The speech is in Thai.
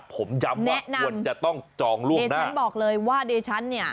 ผมยังไว้ว่าควรจะจองร่วงหน้าแนะนำเอ๊๋ฉันบอกเลยว่าเรฉันเนี้ย